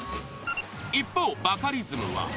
一方バカリズムは。